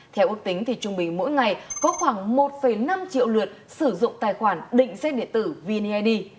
theo ước tính thì trung bình mỗi ngày có khoảng một năm triệu lượt sử dụng tài khoản định xe điện tử vneid